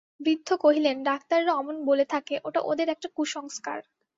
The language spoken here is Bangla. বৃদ্ধ কহিলেন, ডাক্তাররা অমন বলে থাকে, ওটা ওদের একটা কুসংস্কার।